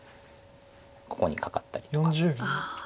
ここにカカったりとか。